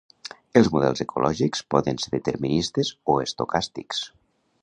Els models ecològics poden ser deterministes o estocàstics.